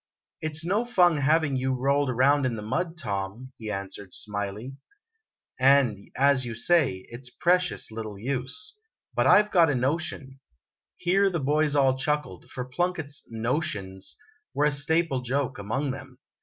" It 's no fun having you rolled around in the mud, Tom," he answered, smiling; "and, as you say, it 's precious little use. But I Ve got a notion Here the boys all chuckled, for Plunkett's "notions" were a staple joke among them.